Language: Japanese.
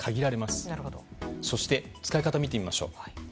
そして、使い方見てみましょう。